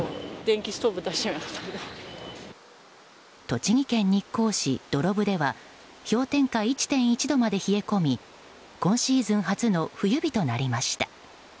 栃木県日光市土呂部では氷点下１．１度まで冷え込み今シーズン初の冬日となりました。